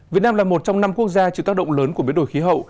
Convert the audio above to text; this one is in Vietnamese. việt nam là một trong năm quốc gia chịu tác động lớn của biến đổi khí hậu